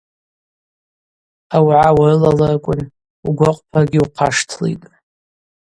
Аугӏа урылалырквын угвакъвпрагьи ухъаштлитӏ.